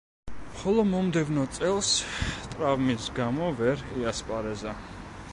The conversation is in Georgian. ხოლო მომდევნო წელს ტრავმის გამო, ვერ იასპარეზა.